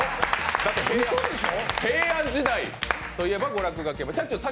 平安時代といえば、娯楽は。